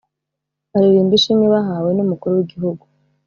baririmba ishimwe bahawe numukuru wigihugu